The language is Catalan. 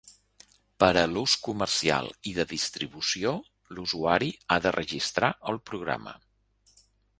Per a l'ús comercial i de distribució, l'usuari ha de registrar el programa.